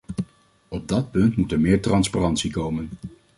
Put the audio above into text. Op dat punt moet er meer transparantie komen.